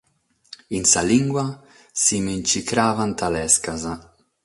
In sa limba si mi nche cravant lescas!